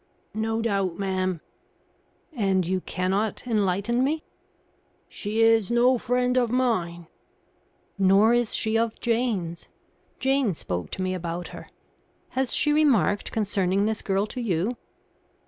"No doubt, ma'am." "And you cannot enlighten me?" "She is no friend of mine." "Nor is she of Jane's. Jane spoke to me about her. Has she remarked concerning this girl to you?"